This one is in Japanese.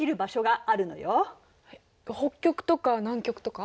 北極とか南極とか？